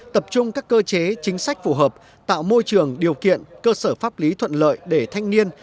tập trung các cơ chế chính sách phù hợp tạo môi trường điều kiện cơ sở pháp lý thuận lợi để thanh niên